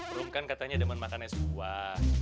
bumi rum kan katanya demen makannya sebuah